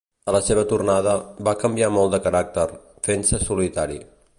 A la seva tornada, va canviar molt de caràcter, fent-se solitari.